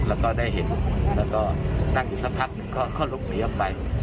แล้วก็ได้เห็นสักพักอยู่ก็ลุกอยู่ออกไป